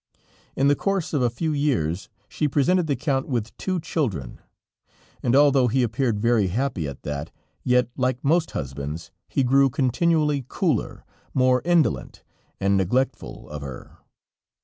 In the course of a few years, she presented the Count with two children, and although he appeared very happy at that, yet, like most husbands, he grew continually cooler, more indolent, and neglectful of her.